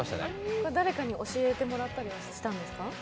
これは誰かに教えてもらったりしたんですか？